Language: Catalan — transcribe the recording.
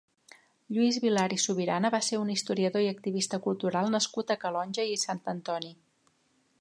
Lluís Vilar i Subirana va ser un historiador i activista cultural nascut a Calonge i Sant Antoni.